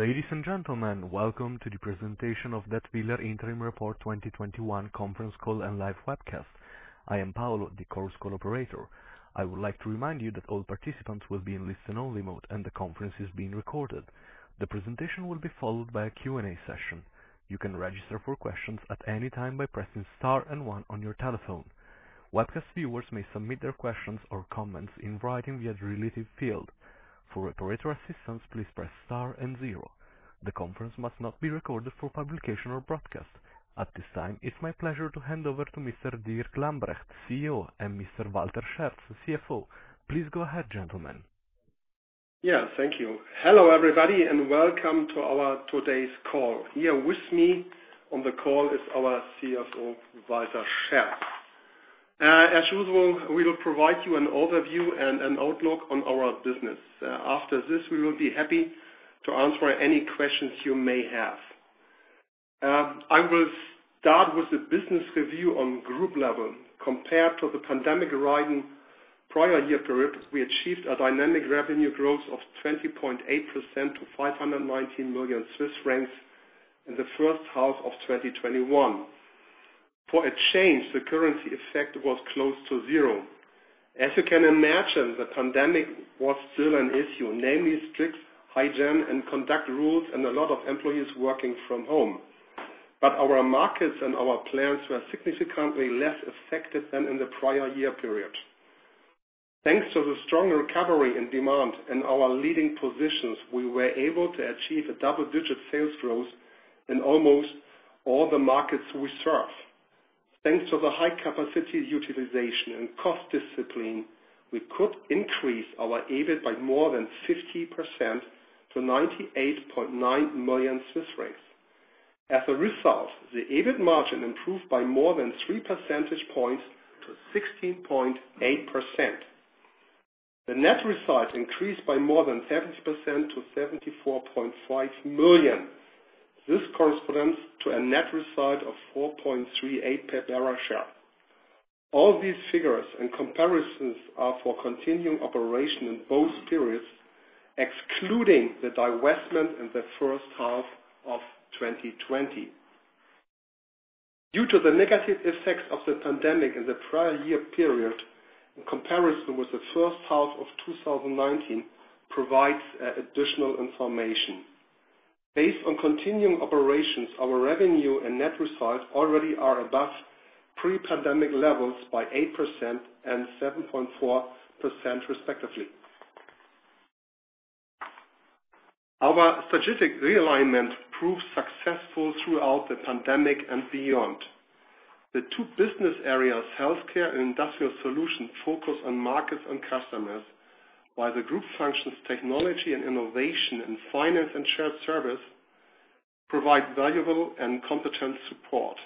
Ladies and gentlemen, welcome to the presentation of Dätwyler Interim Report 2021 Conference Call and Live Webcast. I am Paolo, the Chorus Call operator. I would like to remind you that all participants will be in listen-only mode and the conference is being recorded. The presentation will be followed by a Q&A session. You can register for questions at any time by pressing star and one on your telephone. Webcast viewers may submit their questions or comments in writing via the related field. For operator assistance, please press star and zero. The conference must not be recorded for publication or broadcast. At this time, it is my pleasure to hand over to Mr. Dirk Lambrecht, CEO, and Mr. Walter Scherz, CFO. Please go ahead, gentlemen. Yeah. Thank you. Hello, everybody, and welcome to our today's call. Here with me on the call is our CFO, Walter Scherz. As usual, we will provide you an overview and an outlook on our business. After this, we will be happy to answer any questions you may have. I will start with the business review on group level. Compared to the pandemic-ridden prior year period, we achieved a dynamic revenue growth of 20.8% to 519 million Swiss francs in the first half of 2021. For a change, the currency effect was close to zero. As you can imagine, the pandemic was still an issue, namely strict hygiene and conduct rules and a lot of employees working from home. Our markets and our plants were significantly less affected than in the prior year period. Thanks to the strong recovery and demand in our leading positions, we were able to achieve a double-digit sales growth in almost all the markets we serve. Thanks to the high capacity utilization and cost discipline, we could increase our EBIT by more than 50% to 98.9 million Swiss francs. The EBIT margin improved by more than 3 percentage points to 16.8%. The net result increased by more than 30% to 74.5 million. This corresponds to a net result of 4.38 per share. All these figures and comparisons are for continuing operation in both periods, excluding the divestment in the first half of 2020. Due to the negative effects of the pandemic in the prior year period, in comparison with the first half of 2019 provides additional information. Based on continuing operations, our revenue and net results already are above pre-pandemic levels by 8% and 7.4% respectively. Our strategic realignment proved successful throughout the pandemic and beyond. The two business areas, Healthcare Solutions and Industrial Solutions, focus on markets and customers, while the group functions technology and innovation and finance and shared service provide valuable and competent support.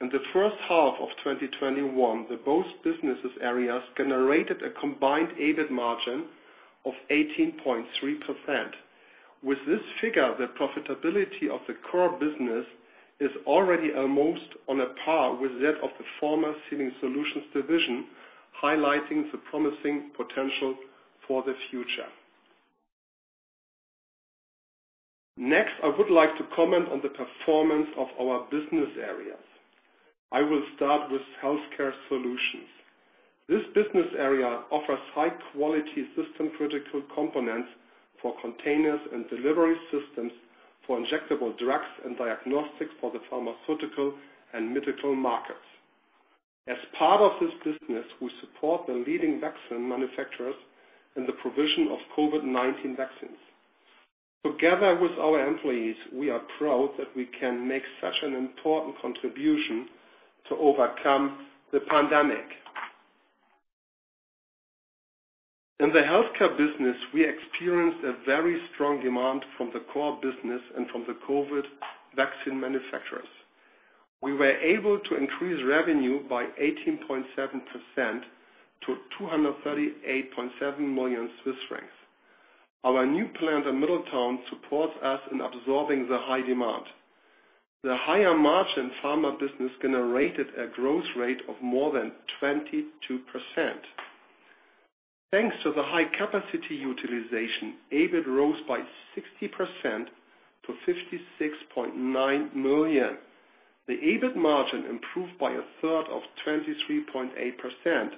In the first half of 2021, both business areas generated a combined EBIT margin of 18.3%. With this figure, the profitability of the core business is already almost on a par with that of the former Sealing Solutions division, highlighting the promising potential for the future. Next, I would like to comment on the performance of our business areas. I will start with Healthcare Solutions. This business area offers high-quality system-critical components for containers and delivery systems for injectable drugs and diagnostics for the pharmaceutical and medical markets. As part of this business, we support the leading vaccine manufacturers in the provision of COVID-19 vaccines. Together with our employees, we are proud that we can make such an important contribution to overcome the pandemic. In the Healthcare Solutions business, we experienced a very strong demand from the core business and from the COVID-19 vaccine manufacturers. We were able to increase revenue by 18.7% to 238.7 million Swiss francs. Our new plant in Middletown supports us in absorbing the high demand. The higher-margin pharma business generated a growth rate of more than 22%. Thanks to the high capacity utilization, EBIT rose by 60% to 56.9 million. The EBIT margin improved by a third of 23.8%.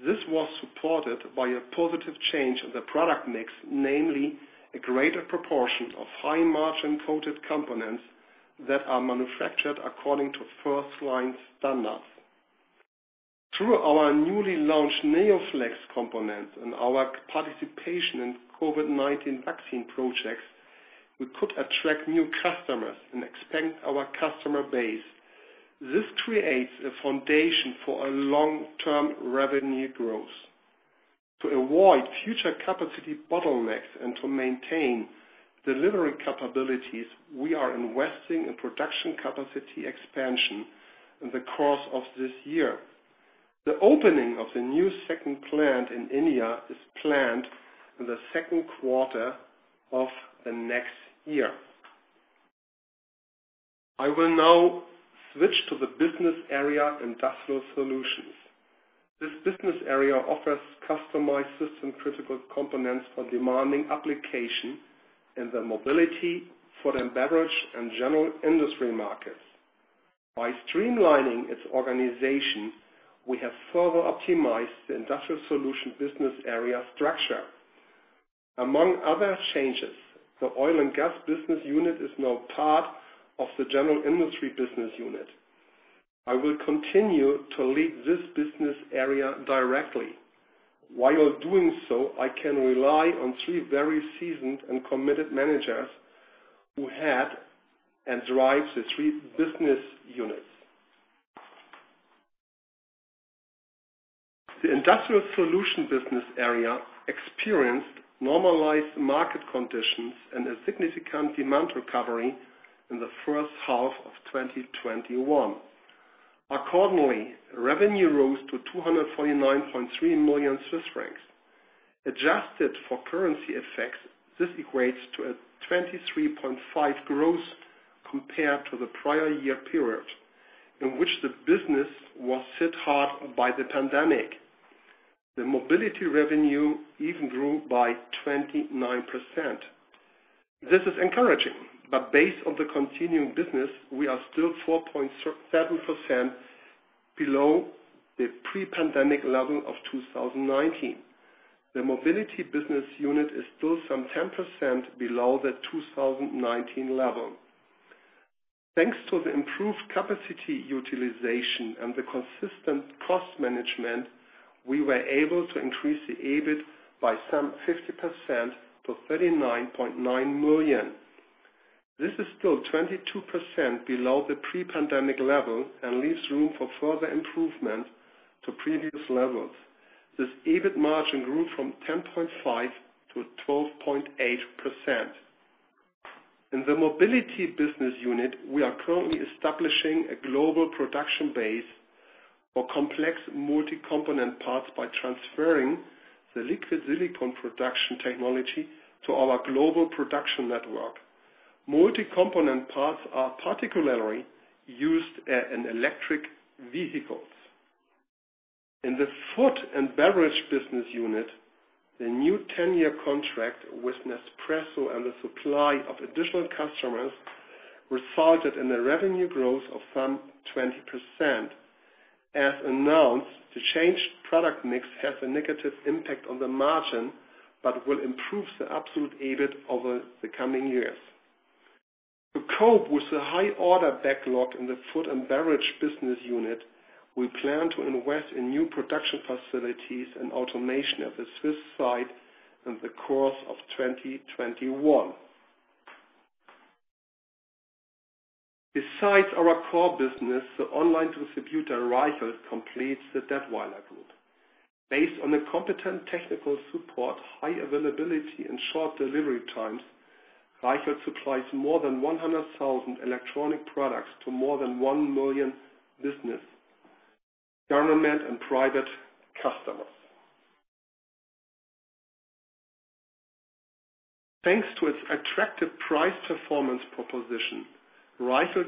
This was supported by a positive change in the product mix, namely a greater proportion of high-margin coated components that are manufactured according to FirstLine standards. Through our newly launched NeoFlex components and our participation in COVID-19 vaccine projects, we could attract new customers and expand our customer base. This creates a foundation for a long-term revenue growth. To avoid future capacity bottlenecks and to maintain delivery capabilities, we are investing in production capacity expansion in the course of this year. The opening of the new second plant in India is planned in the second quarter of next year. I will now switch to the business area Industrial Solutions. This business area offers customized system-critical components for demanding application in the mobility, Food and Beverage, and general industry markets. By streamlining its organization, we have further optimized the Industrial Solutions business area structure. Among other changes, the oil and gas business unit is now part of the general industry business unit. I will continue to lead this business area directly. While doing so, I can rely on three very seasoned and committed managers who head and drive the three business units. The Industrial Solutions business area experienced normalized market conditions and a significant demand recovery in the first half of 2021. Revenue rose to 249.3 million Swiss francs. Adjusted for currency effects, this equates to a 23.5% growth compared to the prior year period, in which the business was hit hard by the pandemic. The mobility revenue even grew by 29%. This is encouraging, based on the continuing business, we are still 4.7% below the pre-pandemic level of 2019. The mobility business unit is still some 10% below the 2019 level. Thanks to the improved capacity utilization and the consistent cost management, we were able to increase the EBIT by some 50% to 39.9 million. This is still 22% below the pre-pandemic level and leaves room for further improvement to previous levels. This EBIT margin grew from 10.5%-12.8%. In the mobility business unit, we are currently establishing a global production base for complex multi-component parts by transferring the liquid silicone production technology to our global production network. Multi-component parts are particularly used in electric vehicles. In the Food and Beverage business unit, the new 10-year contract with Nespresso and the supply of additional customers resulted in a revenue growth of some 20%. As announced, the changed product mix has a negative impact on the margin, but will improve the absolute EBIT over the coming years. To cope with the high order backlog in the Food and Beverage business unit, we plan to invest in new production facilities and automation at the Swiss site in the course of 2021. Besides our core business, the online distributor, Reichelt, completes the Dätwyler group. Based on a competent technical support, high availability, and short delivery times, Reichelt supplies more than 100,000 electronic products to more than 1 million business, government, and private customers. Thanks to its attractive price-performance proposition, Reichelt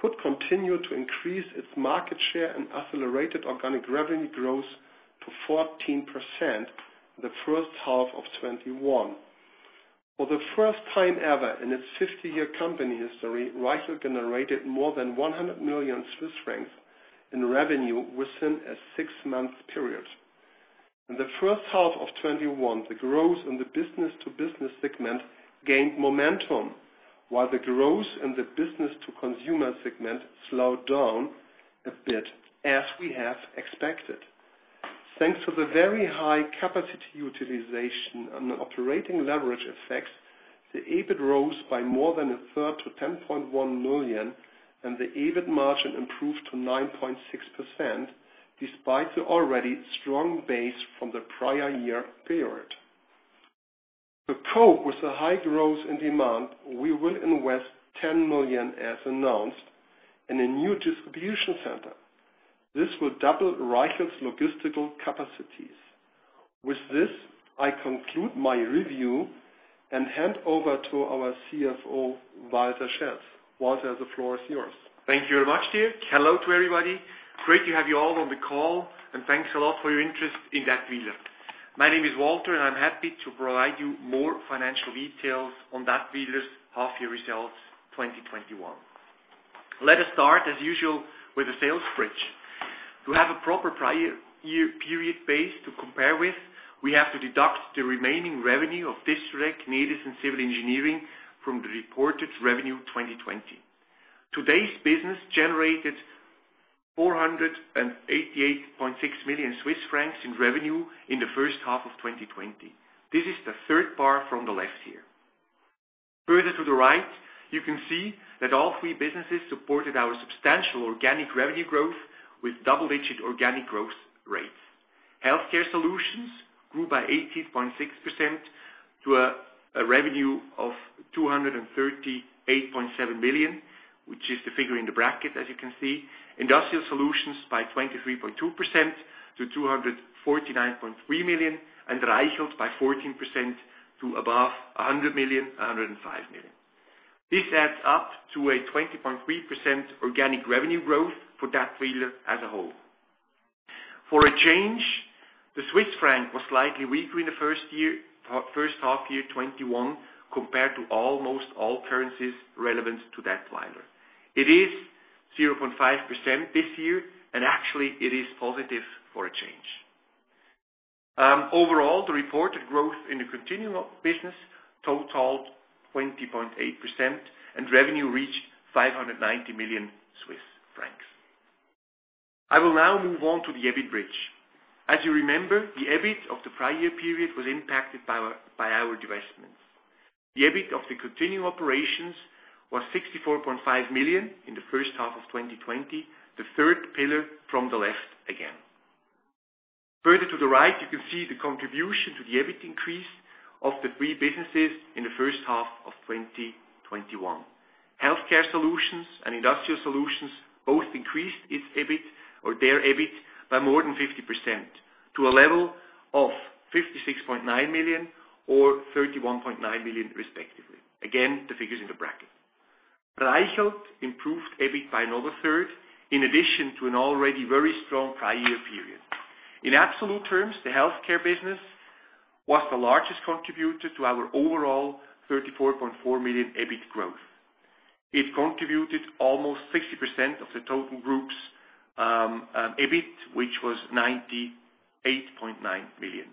could continue to increase its market share and accelerated organic revenue growth to 14% in the first half of 2021. For the first time ever in its 50-year company history, Reichelt generated more than 100 million Swiss francs in revenue within a six-month period. In the first half of 2021, the growth in the business-to-business segment gained momentum, while the growth in the business-to-consumer segment slowed down a bit, as we have expected. Thanks to the very high capacity utilization and operating leverage effects, the EBIT rose by more than a third to 10.1 million, and the EBIT margin improved to 9.6%, despite the already strong base from the prior year period. To cope with the high growth and demand, we will invest 10 million as announced in a new distribution center. This will double Reichelt's logistical capacities. With this, I conclude my review and hand over to our CFO, Walter Scherz. Walter, the floor is yours. Thank you very much, Dirk. Hello to everybody. Great to have you all on the call, and thanks a lot for your interest in Dätwyler. My name is Walter, and I'm happy to provide you more financial details on Dätwyler's half-year results 2021. Let us start, as usual, with the sales bridge. To have a proper prior year period base to compare with, we have to deduct the remaining revenue of Distrelec, Nedis, and Civil Engineering from the reported revenue 2020. Today's business generated 488.6 million Swiss francs in revenue in the first half of 2020. This is the third bar from the left here. Further to the right, you can see that all three businesses supported our substantial organic revenue growth with double-digit organic growth rates. Healthcare Solutions grew by 18.6% to a revenue of 238.7 million, which is the figure in the bracket, as you can see. Industrial Solutions by 23.2% to 249.3 million. Reichelt by 14% to above 100 million, 105 million. This adds up to a 20.3% organic revenue growth for Dätwyler as a whole. For a change, the Swiss franc was slightly weaker in the first half year 2021 compared to almost all currencies relevant to Dätwyler. It is 0.5% this year. Actually, it is positive for a change. Overall, the reported growth in the continuing business totaled 20.8%. Revenue reached 590 million Swiss francs. I will now move on to the EBIT bridge. As you remember, the EBIT of the prior year period was impacted by our divestments. The EBIT of the continuing operations was 64.5 million in the first half of 2020, the third pillar from the left again. Further to the right, you can see the contribution to the EBIT increase of the three businesses in the first half of 2021. Healthcare Solutions and Industrial Solutions both increased its EBIT or their EBIT by more than 50%, to a level of 56.9 million or 31.9 million respectively. Again, the figures in the bracket. Reichelt improved EBIT by another third, in addition to an already very strong prior year period. In absolute terms, the Healthcare business was the largest contributor to our overall 34.4 million EBIT growth. It contributed almost 60% of the total Group's EBIT, which was 98.9 million.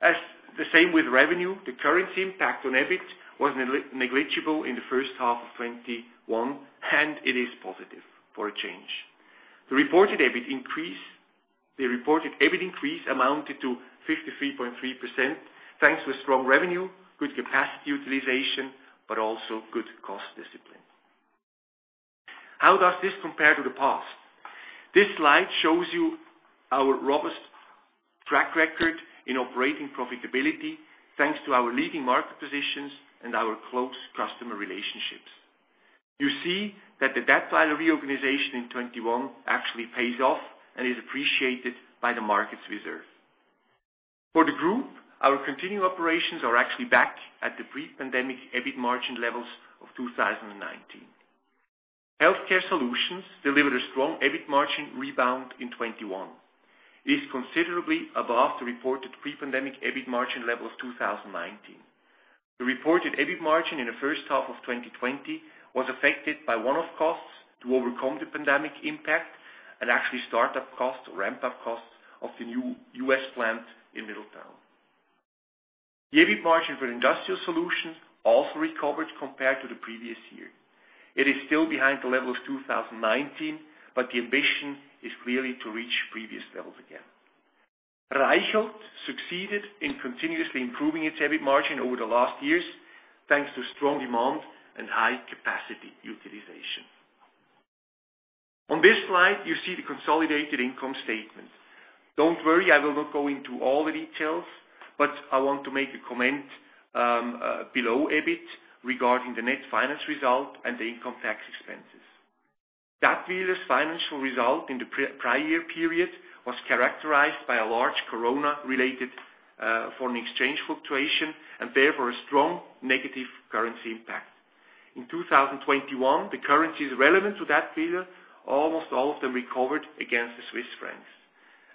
As the same with revenue, the currency impact on EBIT was negligible in the first half of 2021, and it is positive for a change. The reported EBIT increase amounted to 53.3%, thanks to a strong revenue, good capacity utilization, but also good cost discipline. How does this compare to the past? This slide shows you our robust track record in operating profitability, thanks to our leading market positions and our close customer relationships. You see that the Dätwyler reorganization in 2021 actually pays off and is appreciated by the markets we serve. For the Group, our continuing operations are actually back at the pre-pandemic EBIT margin levels of 2019. Healthcare Solutions delivered a strong EBIT margin rebound in 2021. It is considerably above the reported pre-pandemic EBIT margin level of 2019. The reported EBIT margin in the first half of 2020 was affected by one-off costs to overcome the pandemic impact and actually start-up costs or ramp-up costs of the new U.S. plant in Middletown. The EBIT margin for Industrial Solutions also recovered compared to the previous year. It is still behind the level of 2019. The ambition is clearly to reach previous levels again. Reichelt succeeded in continuously improving its EBIT margin over the last years, thanks to strong demand and high capacity utilization. On this slide, you see the consolidated income statement. Don't worry, I will not go into all the details. I want to make a comment below EBIT regarding the net finance result and the income tax expenses. Dätwyler's financial result in the prior year period was characterized by a large corona-related foreign exchange fluctuation and therefore a strong negative currency impact. In 2021, the currencies relevant to Dätwyler, almost all of them recovered against the Swiss francs,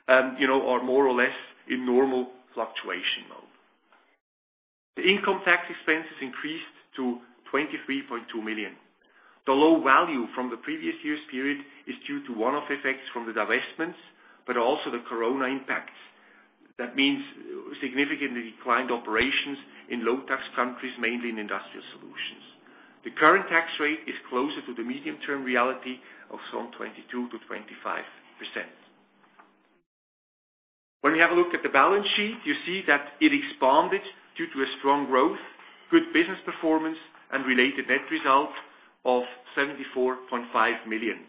or more or less in normal fluctuation mode. The income tax expenses increased to 23.2 million. The low value from the previous year's period is due to one-off effects from the divestments, but also the corona impacts. That means significantly declined operations in low tax countries, mainly in Industrial Solutions. The current tax rate is closer to the medium-term reality of 22%-25%. When we have a look at the balance sheet, you see that it expanded due to a strong growth, good business performance, and related net result of 74.5 million.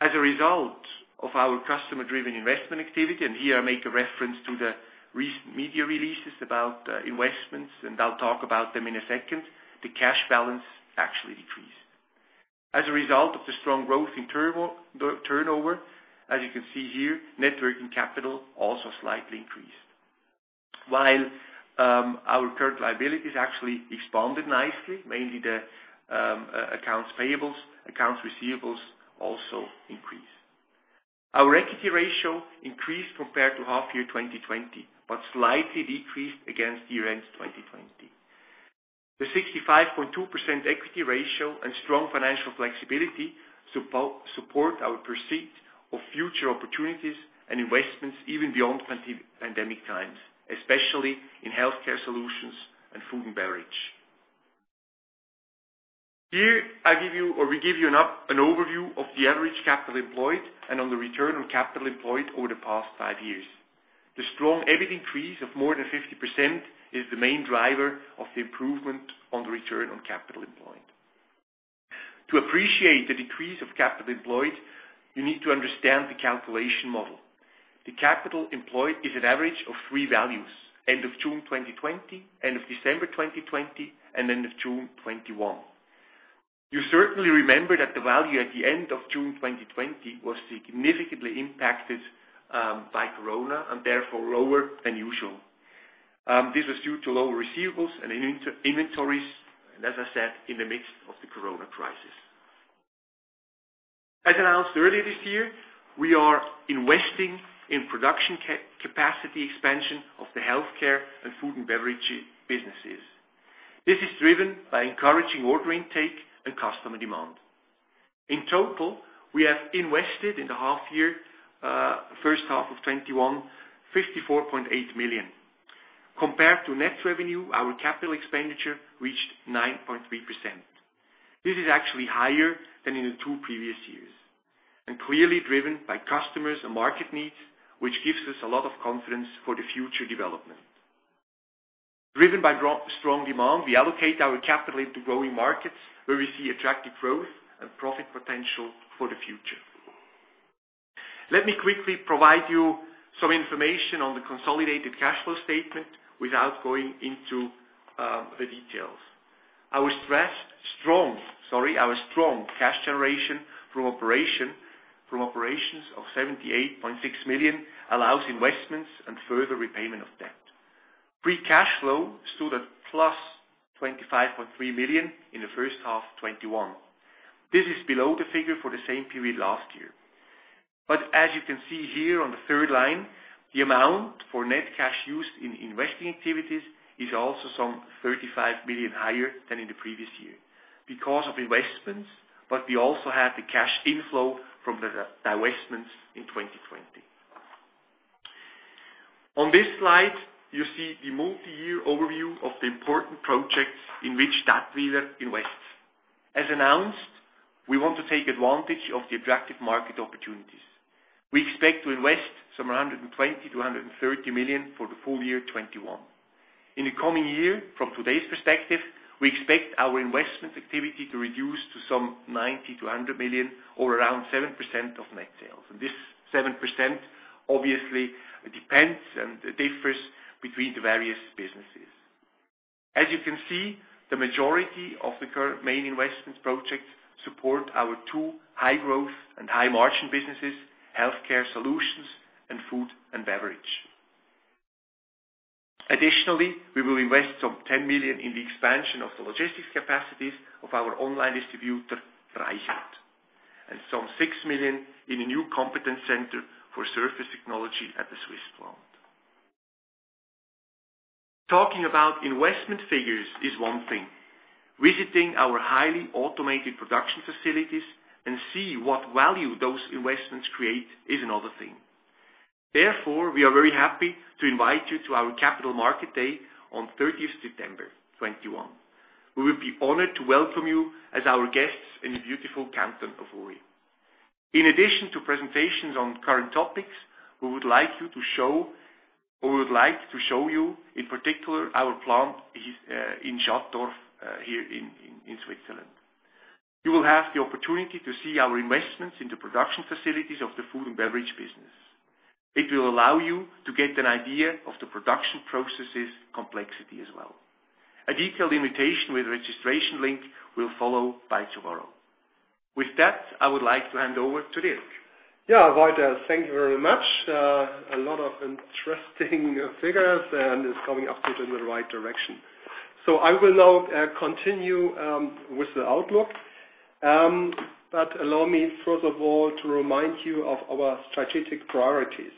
As a result of our customer-driven investment activity, and here I make a reference to the recent media releases about investments, and I'll talk about them in a second, the cash balance actually decreased. As a result of the strong growth in turnover, as you can see here, net working capital also slightly increased. While our current liabilities actually expanded nicely, mainly the accounts payables, accounts receivables also increased. Our equity ratio increased compared to half year 2020, but slightly decreased against year-end 2020. The 65.2% equity ratio and strong financial flexibility support our pursuit of future opportunities and investments even beyond pandemic times, especially in Healthcare Solutions and Food and Beverage. Here, I give you or we give you an overview of the average capital employed and on the return on capital employed over the past five years. The strong EBIT increase of more than 50% is the main driver of the improvement on the return on capital employed. To appreciate the decrease of capital employed, you need to understand the calculation model. The capital employed is an average of three values, end of June 2020, end of December 2020, and end of June 2021. You certainly remember that the value at the end of June 2020 was significantly impacted by COVID, and therefore lower than usual. This was due to lower receivables and inventories, and as I said, in the midst of the COVID crisis. As announced earlier this year, we are investing in production capacity expansion of the Healthcare Solutions and Food and Beverage businesses. This is driven by encouraging order intake and customer demand. In total, we have invested in the first half of 2021, 54.8 million. Compared to net revenue, our CapEx reached 9.3%. This is actually higher than in the two previous years, clearly driven by customers and market needs, which gives us a lot of confidence for the future development. Driven by strong demand, we allocate our capital into growing markets, where we see attractive growth and profit potential for the future. Let me quickly provide you some information on the consolidated cash flow statement without going into the details. Our strong cash generation from operations of 78.6 million allows investments and further repayment of debt. Free cash flow stood at plus 25.3 million in the first half 2021. This is below the figure for the same period last year. As you can see here on the third line, the amount for net cash used in investing activities is also some 35 million higher than in the previous year because of investments, but we also had the cash inflow from the divestments in 2020. On this slide, you see the multi-year overview of the important projects in which Dätwyler invests. As announced, we want to take advantage of the attractive market opportunities. We expect to invest some 120 million-130 million for the full year 2021. In the coming year, from today's perspective, we expect our investment activity to reduce to 90 million-100 million or 7% of net sales. This 7% obviously depends and differs between the various businesses. As you can see, the majority of the current main investment projects support our two high-growth and high-margin businesses, Healthcare Solutions and Food and Beverage. We will invest 10 million in the expansion of the logistics capacities of our online distributor, Reichelt, and 6 million in a new competence center for surface technology at the Swiss plant. Talking about investment figures is one thing. Visiting our highly automated production facilities and see what value those investments create is another thing. We are very happy to invite you to our Capital Markets Day on September 30, 2021. We will be honored to welcome you as our guests in the beautiful canton of Uri. In addition to presentations on current topics, we would like to show you, in particular, our plant in Schattdorf here in Switzerland. You will have the opportunity to see our investments in the production facilities of the Food and Beverage business. It will allow you to get an idea of the production processes' complexity as well. A detailed invitation with a registration link will follow by tomorrow. With that, I would like to hand over to Dirk. Yeah, Walter, thank you very much. A lot of interesting figures, and it's going upward in the right direction. I will now continue with the outlook, but allow me first of all to remind you of our strategic priorities.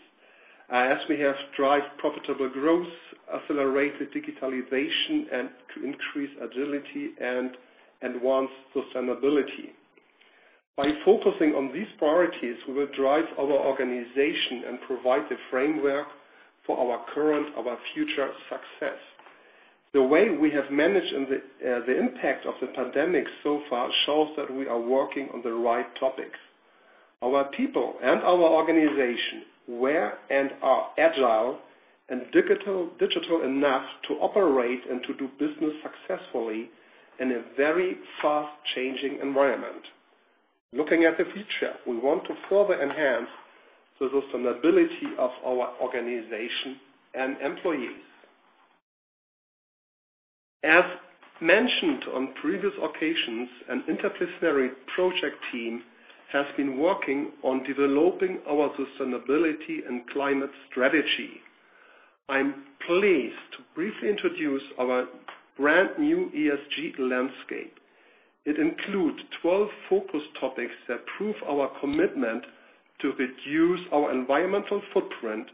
As we have drive profitable growth, accelerated digitalization, and to increase agility and advance sustainability. By focusing on these priorities, we will drive our organization and provide the framework for our current, our future success. The way we have managed the impact of the pandemic so far shows that we are working on the right topics. Our people and our organization were and are agile and digital enough to operate and to do business successfully in a very fast-changing environment. Looking at the future, we want to further enhance the sustainability of our organization and employees. As mentioned on previous occasions, an interdisciplinary project team has been working on developing our sustainability and climate strategy. I'm pleased to briefly introduce our brand new ESG landscape. It includes 12 focus topics that prove our commitment to reduce our environmental footprint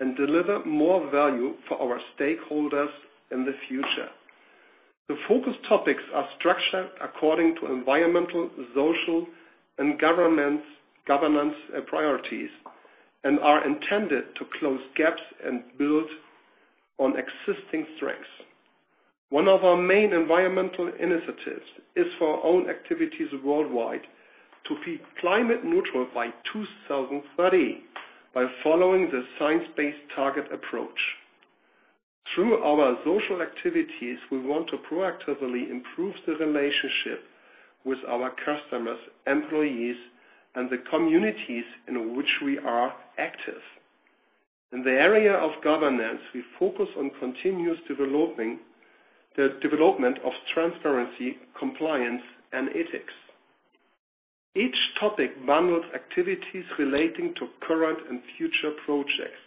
and deliver more value for our stakeholders in the future. The focus topics are structured according to environmental, social, and governance priorities, and are intended to close gaps and build on existing strengths. One of our main environmental initiatives is for our own activities worldwide to be climate neutral by 2030 by following the Science Based Target approach. Through our social activities, we want to proactively improve the relationship with our customers, employees, and the communities in which we are active. In the area of governance, we focus on continuous development of transparency, compliance, and ethics. Each topic bundles activities relating to current and future projects.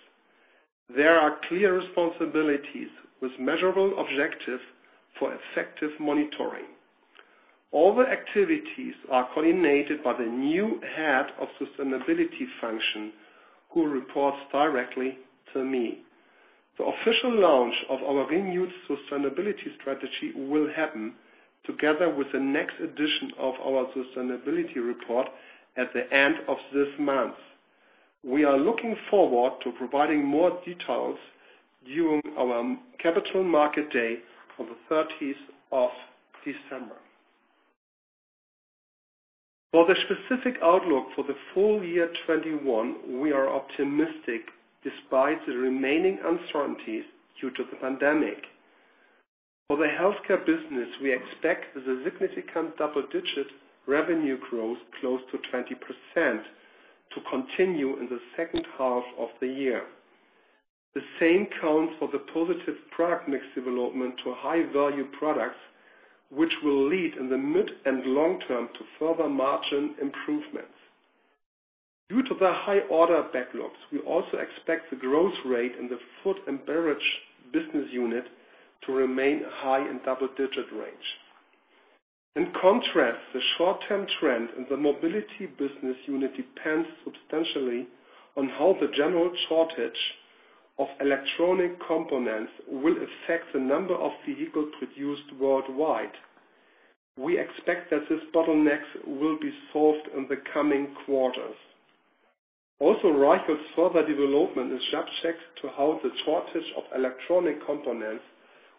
There are clear responsibilities with measurable objectives for effective monitoring. All the activities are coordinated by the new head of sustainability function who reports directly to me. The official launch of our renewed sustainability strategy will happen together with the next edition of our sustainability report at the end of this month. We are looking forward to providing more details during our Capital Markets Day on the 30th of December. For the specific outlook for the full year 2021, we are optimistic despite the remaining uncertainties due to the pandemic. For the healthcare business, we expect the significant double-digit revenue growth close to 20% to continue in the second half of the year. The same counts for the positive product mix development to high-value products, which will lead in the mid and long-term to further margin improvements. Due to the high order backlogs, we also expect the growth rate in the Food and Beverage business unit to remain high in double-digit range. In contrast, the short-term trend in the mobility business unit depends substantially on how the general shortage of electronic components will affect the number of vehicles produced worldwide. We expect that this bottleneck will be solved in the coming quarters. Also, Reichelt's further development is subject to how the shortage of electronic components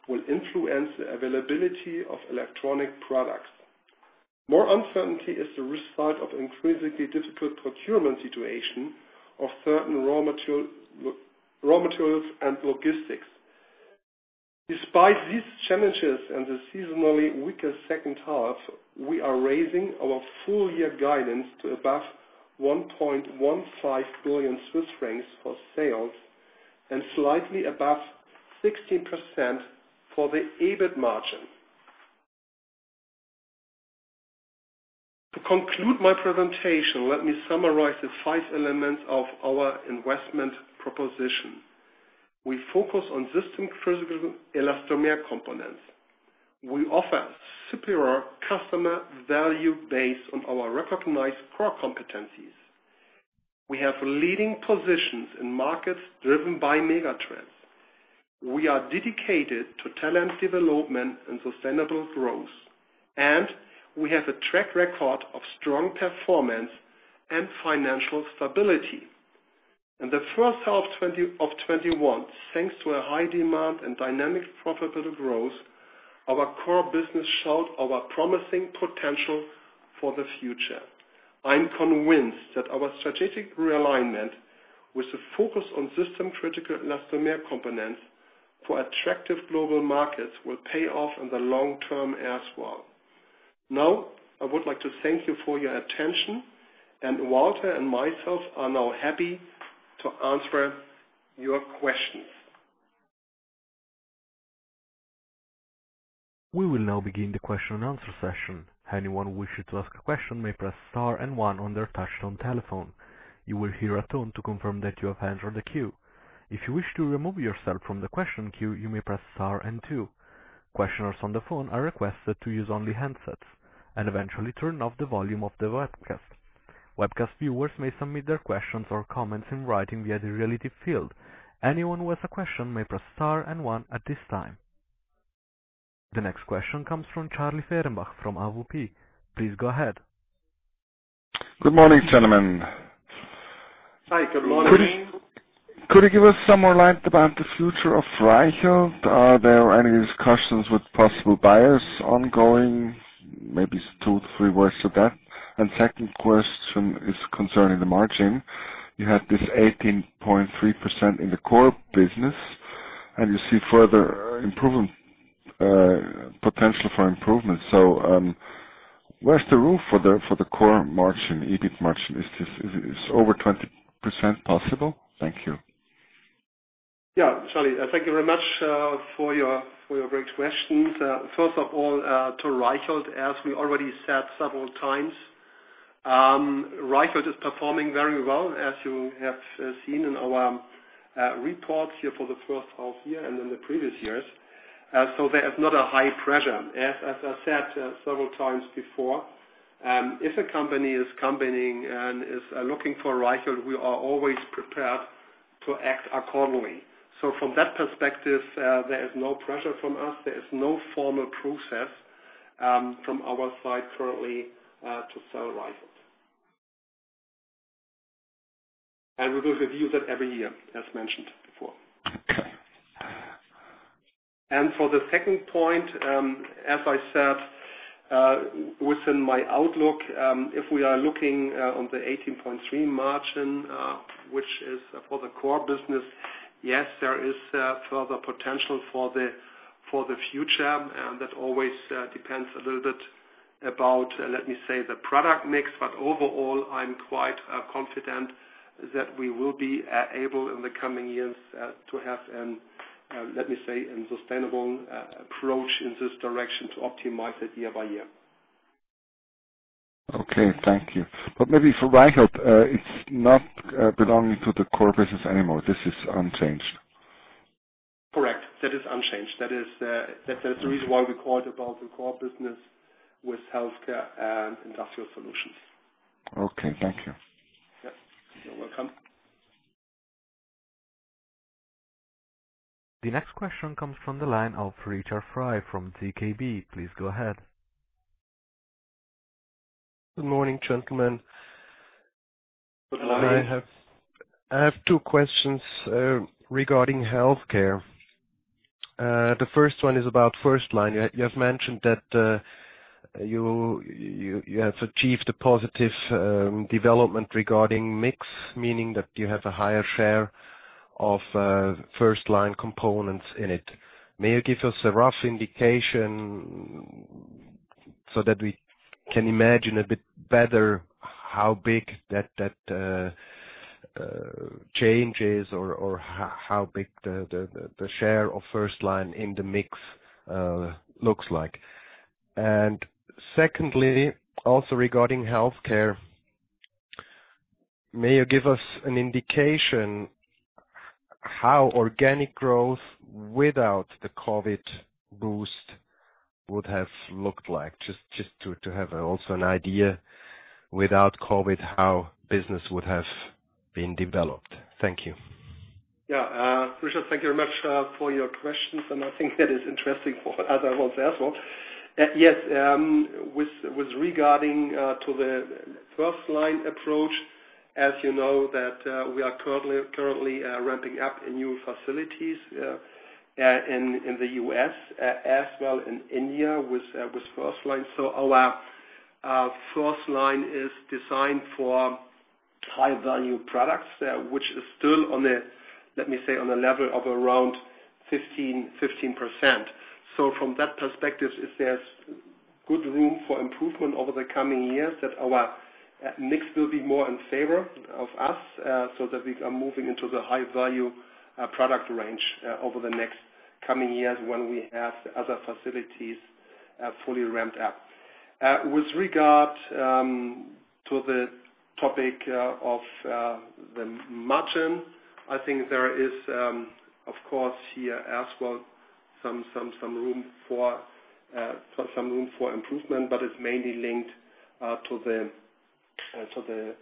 will influence the availability of electronic products. More uncertainty is the result of increasingly difficult procurement situation of certain raw materials and logistics. Despite these challenges and the seasonally weaker second half, we are raising our full-year guidance to above 1.15 billion Swiss francs for sales and slightly above 16% for the EBIT margin. To conclude my presentation, let me summarize the five elements of our investment proposition. We focus on system-critical elastomer components. We offer superior customer value based on our recognized core competencies. We have leading positions in markets driven by mega trends. We are dedicated to talent development and sustainable growth, and we have a track record of strong performance and financial stability. In the first half of 2021, thanks to a high demand and dynamic profitable growth, our core business showed our promising potential for the future. I'm convinced that our strategic realignment with the focus on system-critical elastomer components for attractive global markets will pay off in the long-term as well. Now, I would like to thank you for your attention, and Walter and myself are now happy to answer your questions. We will now begin the question and answer session. Anyone wishing to ask a question may press star and one on their touch-tone telephone. You will hear a tone to confirm that you have entered the queue. If you wish to remove yourself from the question queue, you may press star and two. Questioners on the phone are requested to use only handsets and eventually turn off the volume of the webcast. Webcast viewers may submit their questions or comments in writing via the relative field. Anyone who has a question may press star and one at this time. The next question comes from Charlie Fehrenbach from AWP. Please go ahead. Good morning, gentlemen. Hi, good morning. Could you give us some more light about the future of Reichelt? Are there any discussions with possible buyers ongoing? Maybe two, three words to that. Second question is concerning the margin. You had this 18.3% in the core business and you see further potential for improvement. Where's the room for the core margin, EBIT margin? Is over 20% possible? Thank you. Yeah, Charlie, thank you very much for your great questions. First of all, to Reichelt, as we already said several times, Reichelt is performing very well, as you have seen in our reports here for the first half-year and in the previous years. There is not a high pressure. As I said several times before, if a company is coming and is looking for Reichelt, we are always prepared to act accordingly. From that perspective, there is no pressure from us. There is no formal process from our side currently to sell Reichelt. We will review that every year, as mentioned before. Okay. For the second point, as I said within my outlook, if we are looking on the 18.3% margin, which is for the core business, yes, there is further potential for the future. That always depends a little bit about, let me say, the product mix. Overall, I'm quite confident that we will be able, in the coming years, to have a sustainable approach in this direction to optimize it year by year. Okay, thank you. Maybe for Reichelt, it's not belonging to the core business anymore. This is unchanged. Correct. That is unchanged. That is the reason why we call it about the core business with Healthcare Solutions and Industrial Solutions. Okay, thank you. Yeah. You're welcome. The next question comes from the line of Richard Frei from ZKB. Please go ahead. Good morning, gentlemen. Good morning. I have two questions regarding healthcare. The first one is about FirstLine. You have mentioned that you have achieved a positive development regarding mix, meaning that you have a higher share of FirstLine components in it. May you give us a rough indication so that we can imagine a bit better how big that change is or how big the share of FirstLine in the mix looks like? Secondly, also regarding healthcare, may you give us an indication how organic growth without the COVID boost would have looked like? Just to have also an idea without COVID, how business would have been developed. Thank you. Yeah. Richard, thank you very much for your questions, and I think that is interesting for other ones as well. Yes, with regarding to the FirstLine approach, as you know that we are currently ramping up new facilities, in the U.S., as well in India with FirstLine. Our FirstLine is designed for high-value products, which is still, let me say, on a level of around 15%. From that perspective, there's good room for improvement over the coming years, that our mix will be more in favor of us, so that we are moving into the high-value product range over the next coming years when we have other facilities fully ramped up. With regard to the topic of the margin, I think there is, of course, here as well some room for improvement, but it's mainly linked to the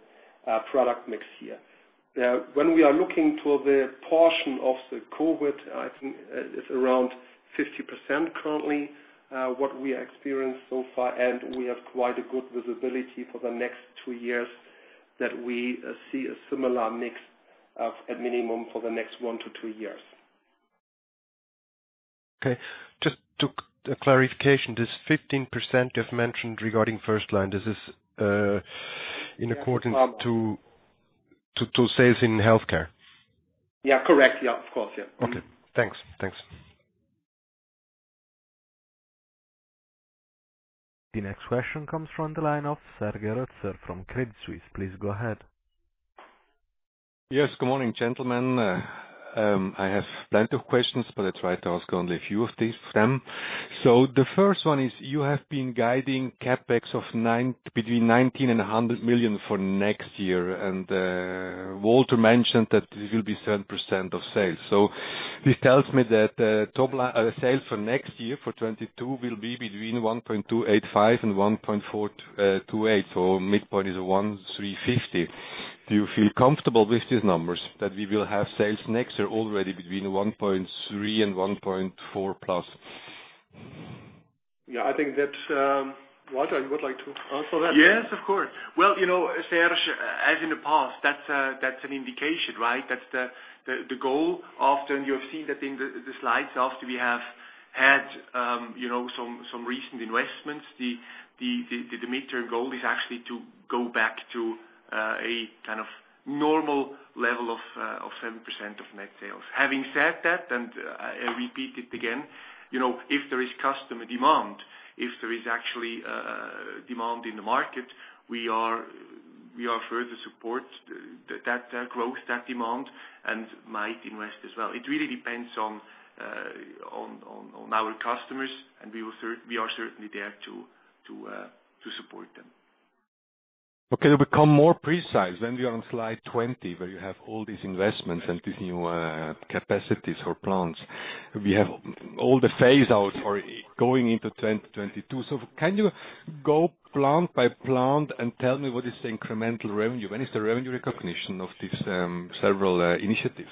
product mix here. When we are looking to the portion of the COVID, I think it's around 50% currently, what we experienced so far, and we have quite a good visibility for the next two years that we see a similar mix of at minimum for the next one to two years. Okay. Just a clarification. This 15% you've mentioned regarding FirstLine, this is in accordance to sales in healthcare? Yeah. Correct. Yeah. Of course. Yeah. Okay. Thanks. The next question comes from the line of Serge Rotzer from Credit Suisse. Please go ahead. Yes. Good morning, gentlemen. I have plenty of questions, but I'll try to ask only a few of them. The first one is, you have been guiding CapEx of between 19 million and 100 million for next year, and Walter mentioned that it will be 7% of sales. This tells me that sales for next year, for 2022, will be between 1.285 billion and 1.428 billion, midpoint is 1.35 billion. Do you feel comfortable with these numbers, that we will have sales next year already between 1.3 billion and 1.4 billion plus? Yeah, I think, Walter, you would like to answer that? Yes, of course. Well, Serge, as in the past, that's an indication, right? That's the goal. You have seen that in the slides, after we have had some recent investments, the mid-term goal is actually to go back to a kind of normal level of 7% of net sales. Having said that, and I repeat it again, if there is customer demand, if there is actually demand in the market, we are further support that growth, that demand, and might invest as well. It really depends on our customers, and we are certainly there to support them. Okay. To become more precise, when we are on slide 20, where you have all these investments and these new capacities or plants, we have all the phase out or going into 2022. Can you go plant by plant and tell me what is the incremental revenue? When is the revenue recognition of these several initiatives?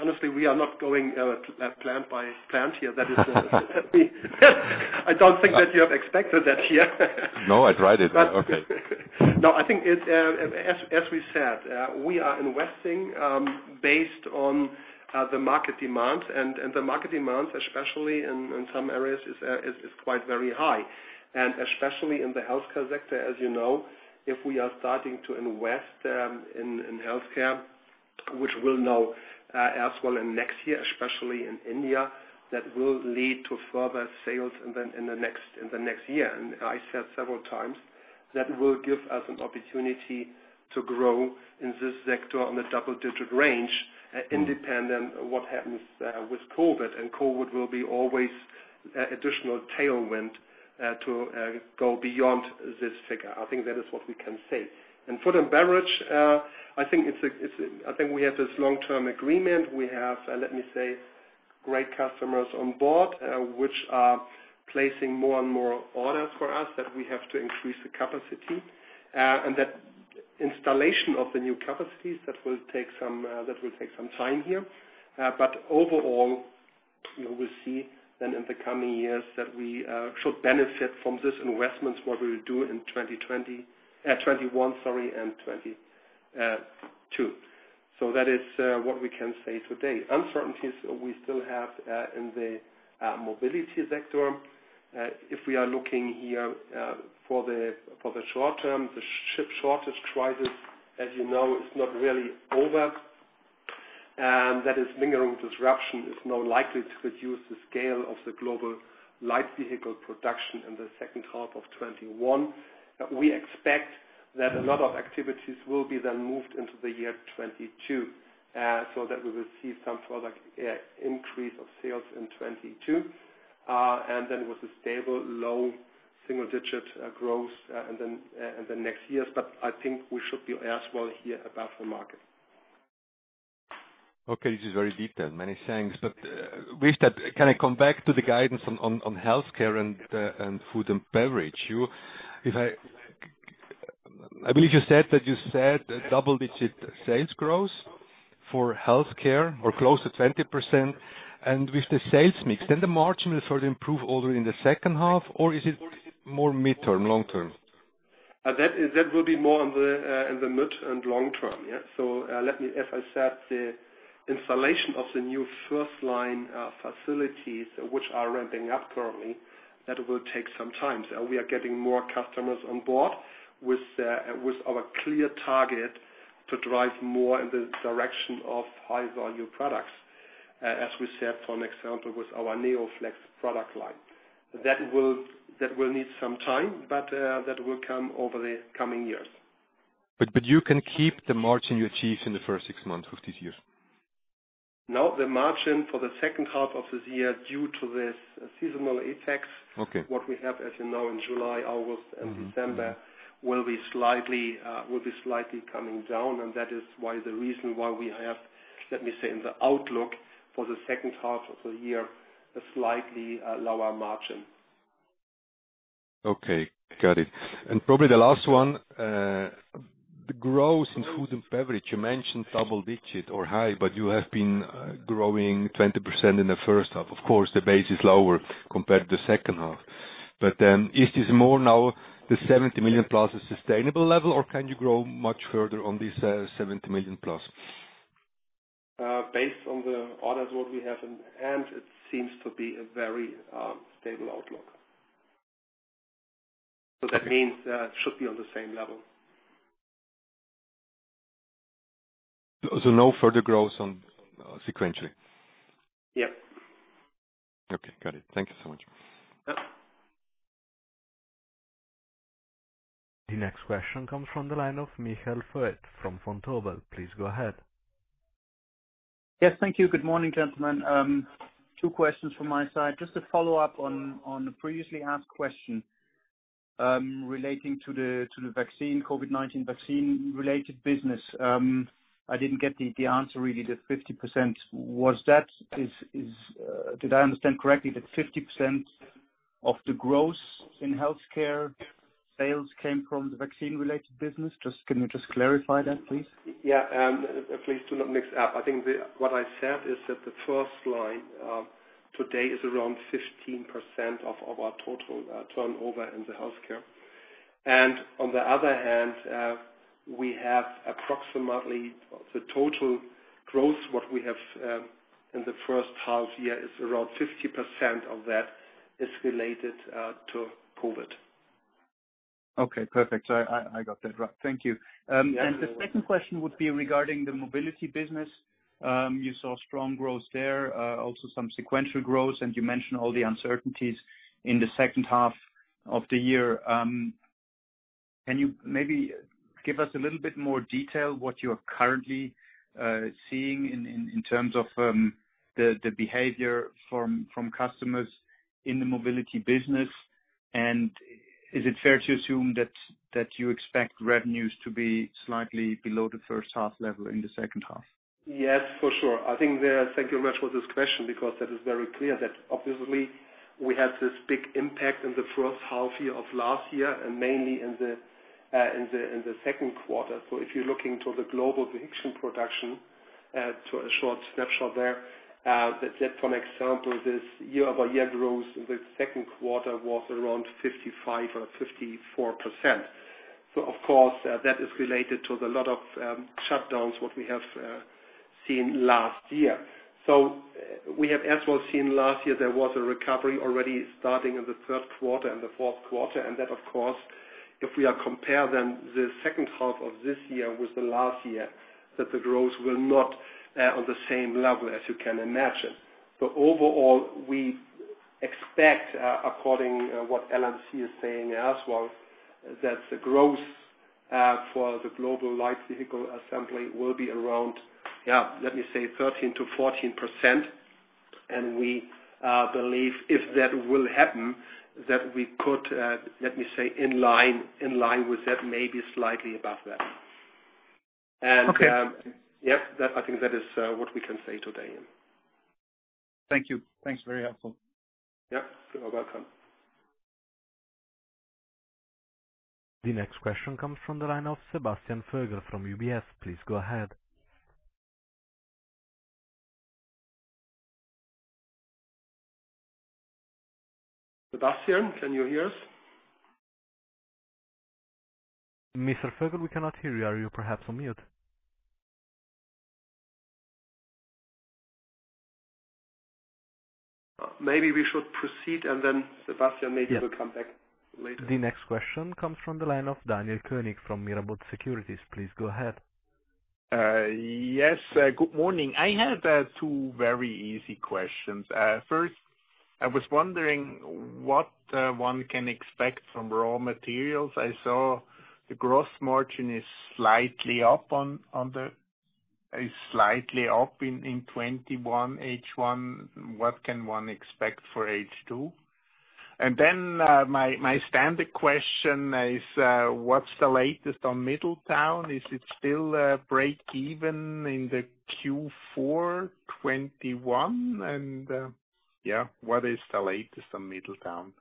Honestly, we are not going plant by plant here. I don't think that you have expected that here. No, I tried it. Okay. No, I think as we said, we are investing based on the market demand, and the market demand, especially in some areas, is quite very high, and especially in the healthcare sector, as you know. If we are starting to invest in healthcare, which we'll know as well in next year, especially in India, that will lead to further sales in the next year. I said several times that will give us an opportunity to grow in this sector on the double-digit range, independent of what happens with COVID. COVID will be always additional tailwind to go beyond this figure. I think that is what we can say. In Food and Beverage, I think we have this long-term agreement. We have, let me say, great customers on board, which are placing more and orders for us that we have to increase the capacity. That installation of the new capacities, that will take some time here. Overall, we will see then in the coming years that we should benefit from these investments, what we will do in 2021 and 2022. That is what we can say today. Uncertainties we still have in the mobility sector. If we are looking here for the short-term, the chip shortage crisis, as you know, is not really over. That is lingering disruption is now likely to reduce the scale of the global light vehicle production in the second half of 2021. We expect that a lot of activities will be then moved into the year 2022, that we will see some further increase of sales in 2022. Then with a stable low single-digit growth in the next years. I think we should be as well here above the market. Okay, this is very detailed. Many thanks. Richard, can I come back to the guidance on Healthcare Solutions and Food and Beverage? I believe you said a double-digit sales growth for Healthcare Solutions or close to 20%. With the sales mix, then the margin will further improve already in the second half, or is it more midterm, long-term? That will be more in the mid- and long-term. Let me, as I said, the installation of the new FirstLine facilities, which are ramping up currently, that will take some time. We are getting more customers on board with our clear target to drive more in the direction of high-value products, as we said, for example, with our NeoFlex product line. That will need some time, that will come over the coming years. You can keep the margin you achieved in the first six months of this year? No, the margin for the second half of this year due to this seasonal effects. Okay what we have, as you know, in July, August, and December will be slightly coming down, and that is the reason why we have, let me say, in the outlook for the second half of the year, a slightly lower margin. Okay. Got it. Probably the last one. The growth in Food and Beverage, you mentioned double-digit or high, but you have been growing 20% in the first half. Of course, the base is lower compared to the second half. Is this more now the 70 million plus a sustainable level, or can you grow much further on this 70 million plus? Based on the orders what we have in hand, it seems to be a very stable outlook. That means it should be on the same level. No further growth sequentially? Yeah. Okay. Got it. Thank you so much. Yeah. The next question comes from the line of Michael Foeth from Vontobel. Please go ahead. Yes. Thank you. Good morning, gentlemen. two questions from my side. Just a follow-up on the previously asked question relating to the COVID-19 vaccine-related business. I didn't get the answer really to 50%. Did I understand correctly that 50% of the growth in healthcare sales came from the vaccine-related business? Can you just clarify that, please? Yeah. Please do not mix up. I think what I said is that the FirstLine® today is around 15% of our total turnover in the Healthcare Solutions. On the other hand, we have approximately the total growth, what we have in the first half year is around 50% of that is related to COVID. Okay, perfect. I got that right. Thank you. You're welcome. The second question would be regarding the mobility business. You saw strong growth there, also some sequential growth, and you mentioned all the uncertainties in the second half of the year. Can you maybe give us a little bit more detail what you are currently seeing in terms of the behavior from customers in the mobility business? Is it fair to assume that you expect revenues to be slightly below the first half level in the second half? Yes, for sure. Thank you much for this question because that is very clear that obviously we had this big impact in the first half year of last year and mainly in the second quarter. If you're looking to the global vehicle production. A short snapshot there. For example, this year-over-year growth in the second quarter was around 55% or 54%. Of course, that is related to the lot of shutdowns what we have seen last year. We have as well seen last year, there was a recovery already starting in the third quarter and the fourth quarter. Of course, if we are compare them, the second half of this year with the last year, that the growth will not on the same level as you can imagine. Overall, we expect, according what LMC is saying as well, that the growth for the global light vehicle assembly will be around, let me say, 13%-14%. We believe if that will happen, that we could, let me say, in line with that, maybe slightly above that. Okay. Yes. I think that is what we can say today. Thank you. Thanks. Very helpful. Yeah. You're welcome. The next question comes from the line of Sebastian Vogel from UBS. Please go ahead. Sebastian, can you hear us? Mr. Vogel, we cannot hear you. Are you perhaps on mute? Maybe we should proceed, and then Sebastian maybe will come back later. The next question comes from the line of Daniel König from Mirabaud Securities. Please go ahead. Yes. Good morning. I have two very easy questions. First, I was wondering what one can expect from raw materials. I saw the gross margin is slightly up in 2021 H1. What can one expect for H2? My standard question is, what's the latest on Middletown? Is it still break even in the Q4 2021? What is the latest on Middletown?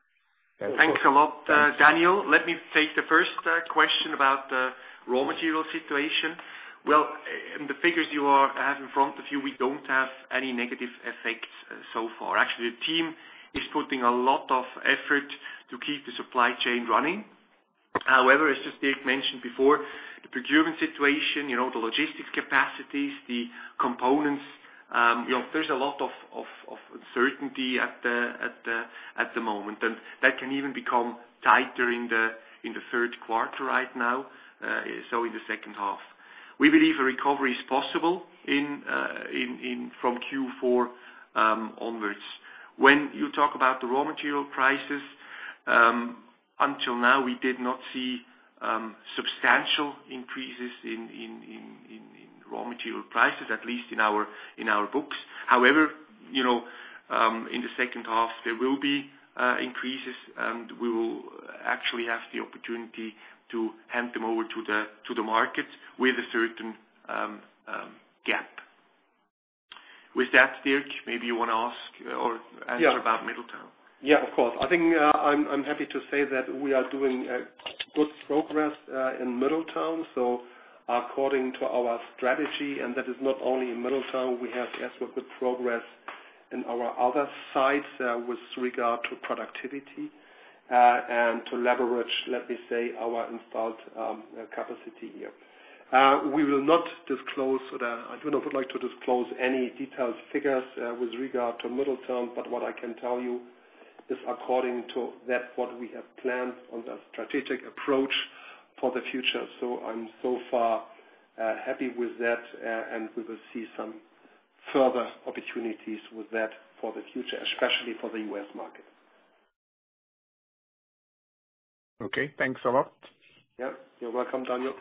Thanks a lot, Daniel. Let me take the first question about the raw material situation. Well, in the figures you have in front of you, we don't have any negative effects so far. Actually, the team is putting a lot of effort to keep the supply chain running. However, as just Dirk mentioned before, the procurement situation, the logistics capacities, the components, there's a lot of uncertainty at the moment. That can even become tighter in the third quarter right now, so in the second half. We believe a recovery is possible from Q4 onwards. When you talk about the raw material prices, until now we did not see substantial increases in raw material prices, at least in our books. However, in the second half, there will be increases, and we will actually have the opportunity to hand them over to the market with a certain gap. With that, Dirk, maybe you want to ask or answer about Middletown. Yeah, of course. I think I'm happy to say that we are doing good progress in Middletown. According to our strategy, and that is not only in Middletown, we have as with the progress in our other sites with regard to productivity, and to leverage, let me say, our installed capacity here. We will not disclose. I do not like to disclose any detailed figures with regard to Middletown, what I can tell you is according to that, what we have planned on the strategic approach for the future. I'm so far happy with that, and we will see some further opportunities with that for the future, especially for the U.S. market. Okay, thanks a lot. Yeah. You're welcome, Daniel.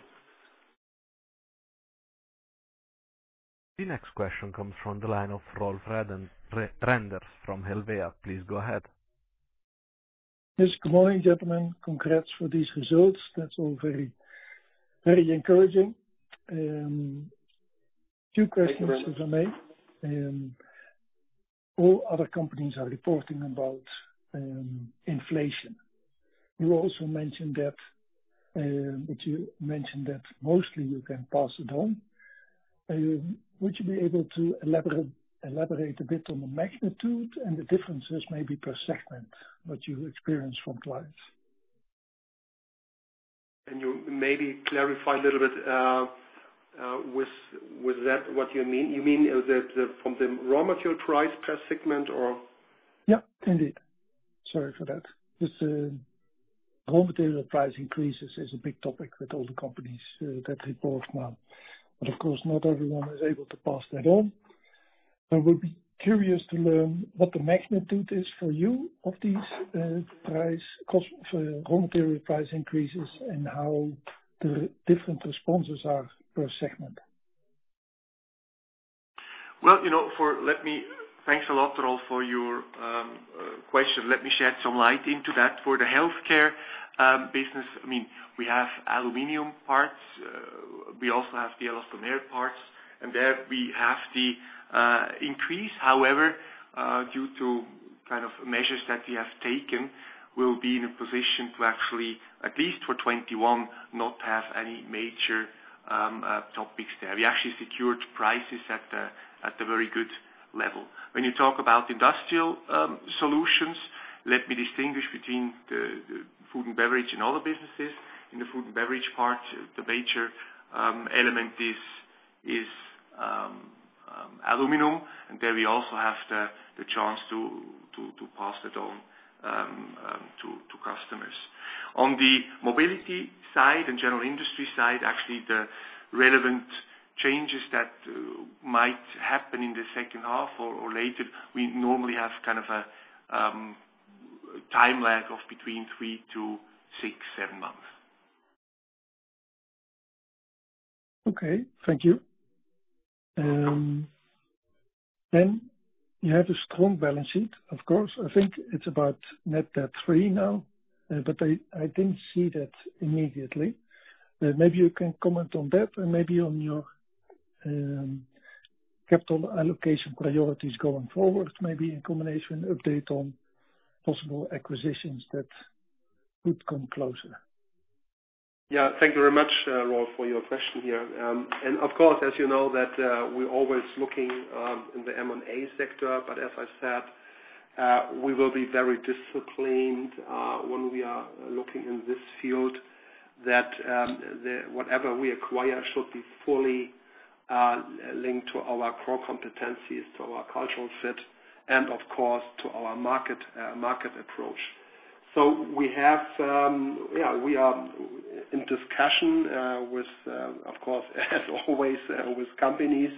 The next question comes from the line of Rolf Renders from Helvea. Please go ahead. Yes. Good morning, gentlemen. Congrats for these results. That's all very encouraging. Two questions if I may. All other companies are reporting about inflation. You also mentioned that mostly you can pass it on. Would you be able to elaborate a bit on the magnitude and the differences maybe per segment, what you experience from clients? Can you maybe clarify a little bit, with that, what you mean? You mean from the raw material price per segment, or? Yeah, indeed. Sorry for that. Just raw material price increases is a big topic with all the companies that report now. Of course, not everyone is able to pass that on. I would be curious to learn what the magnitude is for you of these raw material price increases and how the different responses are per segment. Well, thanks a lot, Rolf, for your question. Let me shed some light into that. For the Healthcare Solutions, we have aluminum parts. We also have the elastomer components, and there we have the increase. However, due to kind of measures that we have taken, we'll be in a position to actually, at least for 2021, not have any major topics there. We actually secured prices at a very good level. When you talk about Industrial Solutions, let me distinguish between the Food and Beverage and other businesses. In the Food and Beverage part, the major element is aluminum, and there we also have the chance to pass that on to customers. On the mobility side and general industry side, actually the relevant changes that might happen in the second half or later, we normally have kind of a time lag of between three to six, seven months. Okay. Thank you. You have a strong balance sheet, of course. I think it's about net debt-free now. I didn't see that immediately. Maybe you can comment on that and maybe on your capital allocation priorities going forward, maybe in combination, update on possible acquisitions that could come closer. Thank you very much, Rolf, for your question here. Of course, as you know that, we're always looking in the M&A sector. As I said, we will be very disciplined, when we are looking in this field that, whatever we acquire should be fully linked to our core competencies, to our cultural fit, and of course, to our market approach. We are in discussion with, of course, as always, with companies.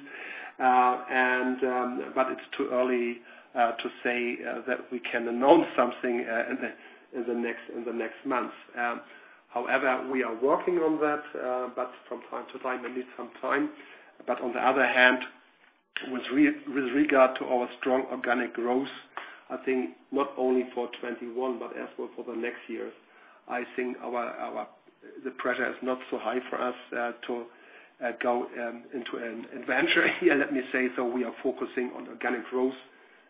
It's too early to say that we can announce something in the next months. However, we are working on that. From time to time, I need some time. On the other hand, with regard to our strong organic growth, I think not only for 2021, but as well for the next years, I think the pressure is not so high for us to go into an adventure here, let me say. We are focusing on organic growth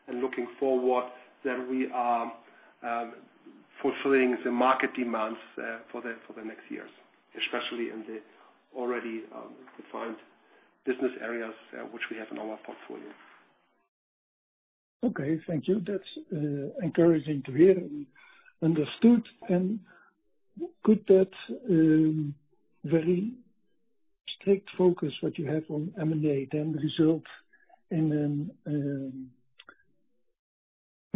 and looking forward that we are fulfilling the market demands for the next years, especially in the already defined business areas which we have in our portfolio. Okay. Thank you. That's encouraging to hear and understood. Could that very strict focus what you have on M&A then result in a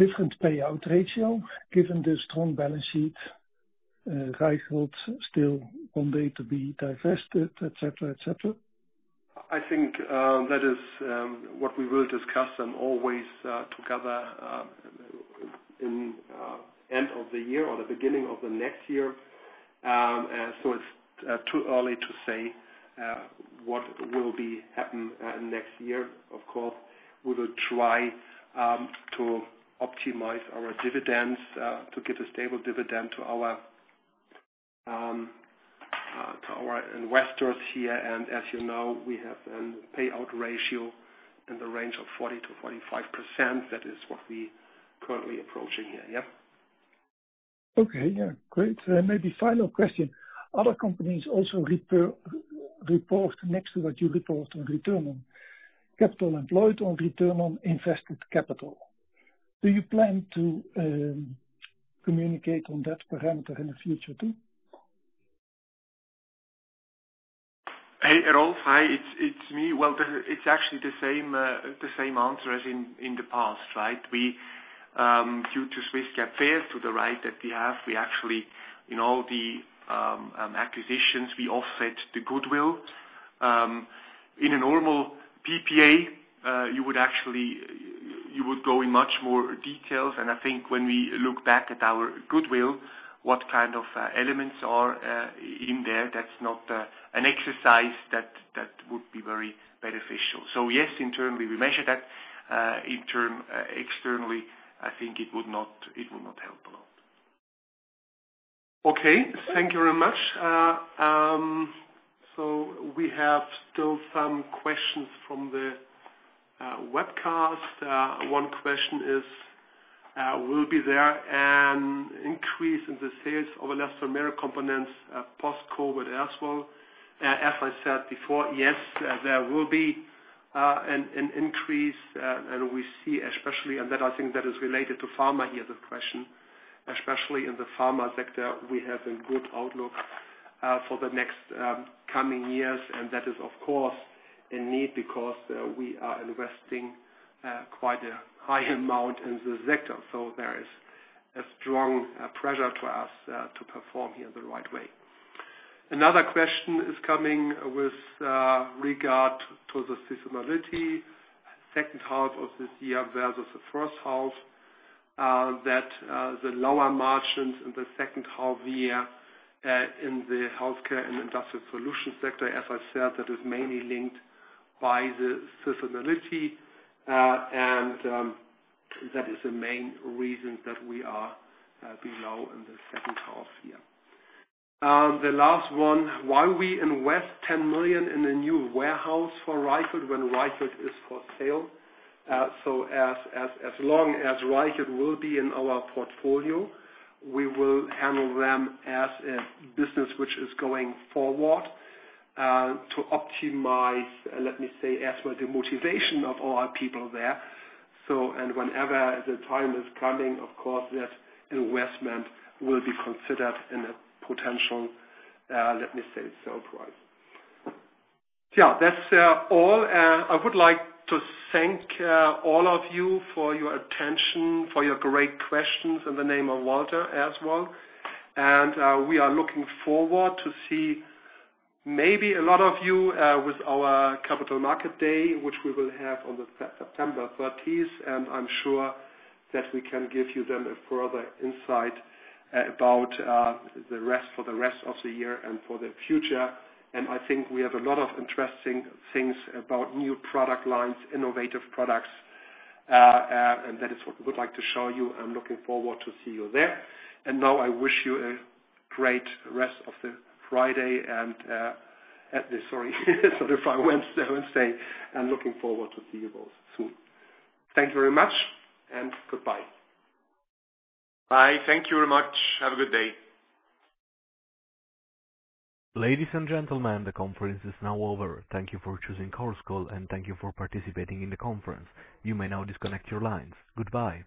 different payout ratio given the strong balance sheet, Reichelt still one day to be divested, et cetera. I think that is what we will discuss and always together in end of the year or the beginning of the next year. It's too early to say what will happen next year. Of course, we will try to optimize our dividends to give a stable dividend to our investors here. As you know, we have a payout ratio in the range of 40%-45%. That is what we currently approaching here. Yep. Okay. Yeah. Great. Maybe final question. Other companies also report next to what you report on return on capital employed on return on invested capital. Do you plan to communicate on that parameter in the future, too? Hey, Rolf. Hi. It's me. Well, it's actually the same answer as in the past, right? Due to Swiss GAAP FER, to the right that we have, we actually in all the acquisitions, we offset the goodwill. I think when we look back at our goodwill, what kind of elements are in there, that's not an exercise that would be very beneficial. Yes, internally, we measure that. Externally, I think it would not help a lot. Okay. Thank you very much. We have still some questions from the webcast. One question is: Will be there an increase in the sales of elastomer components post-COVID as well? As I said before, yes, there will be an increase. We see especially, and that I think that is related to pharma here, the question, especially in the pharma sector, we have a good outlook for the next coming years. That is, of course, a need because we are investing quite a high amount in the sector. There is a strong pressure to us to perform here the right way. Another question is coming with regard to the seasonality second half of this year versus the first half, that the lower margins in the second half year in the Healthcare Solutions and Industrial Solutions sector. As I said, that is mainly linked by the seasonality, and that is the main reason that we are below in the second half year. The last one, why we invest 10 million in a new warehouse for Reichelt when Reichelt is for sale? As long as Reichelt will be in our portfolio, we will handle them as a business which is going forward, to optimize, let me say as well, the motivation of our people there. Whenever the time is coming, of course, that investment will be considered in a potential, let me say, sale price. Yeah. That's all. I would like to thank all of you for your attention, for your great questions in the name of Walter as well. We are looking forward to see maybe a lot of you with our Capital Markets Day, which we will have on the September 30th. I'm sure that we can give you then a further insight about for the rest of the year and for the future. I think we have a lot of interesting things about new product lines, innovative products, and that is what we would like to show you. I'm looking forward to see you there. Now I wish you a great rest of the Friday and, sorry, of the Wednesday. I'm looking forward to see you all soon. Thank you very much, and goodbye. Bye. Thank you very much. Have a good day. Ladies and gentlemen, the conference is now over. Thank you for choosing Chorus Call and thank you for participating in the conference. You may now disconnect your lines. Goodbye.